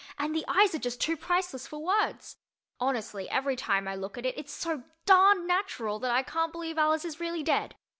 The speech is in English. And the eyes are just too priceless for words. Honestly, every time I look at it, it's so darned natural that I can't believe Alice is really dead.